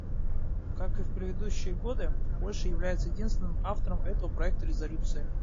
Как и в предыдущие годы, Польша является единственным автором этого проекта резолюции.